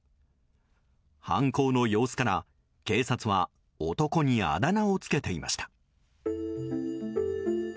犯行の様子から警察は男にあだ名を付けていました。